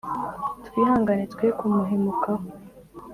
Twihangane twe kumuhemukaho,